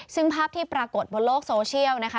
ซึ่งภาพที่ปรากฏบนโลกโซเชียลนะคะ